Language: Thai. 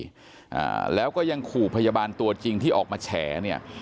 อ่าแล้วก็ยังขู่พยาบาลตัวจริงที่ออกมาแฉเนี่ย